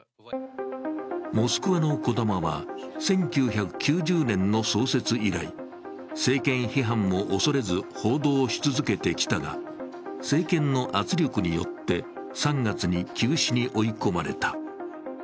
モスクワのこだまは１９９０年の創設以来、政権批判も恐れず報道し続けてきたが、政権の圧力によって３月に休止に追い込まれた。